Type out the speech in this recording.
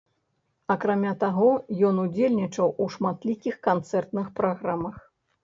Акрамя таго, ён удзельнічаў у шматлікіх канцэртных праграмах.